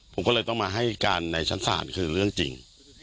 ผมก็เลยต้องมาให้การในชั้นศาลคือเรื่องจริง